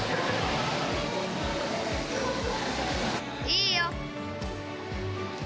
いいよ！